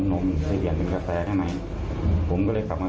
ผมก็เลยไปดึงไอ้ไม้เท้ามา